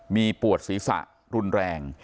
มีปวดศีรษะรุนแรง